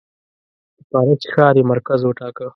د پاریس ښار یې مرکز وټاکه.